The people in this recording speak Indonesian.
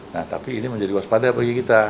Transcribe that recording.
nah tapi ini menjadi waspada bagi kita